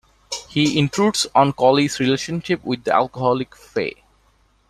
He intrudes on Collie's relationship with the alcoholic Fay.